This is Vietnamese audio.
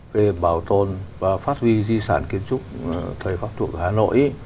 về bảo tồn và phát huy di sản kiến trúc thời pháp thủ hà nội